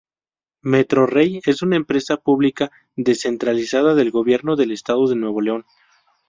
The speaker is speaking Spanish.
Metrorrey es una empresa pública descentralizada del Gobierno del Estado de Nuevo León.